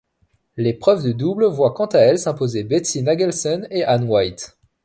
L'épreuve de double voit quant à elle s'imposer Betsy Nagelsen et Anne White.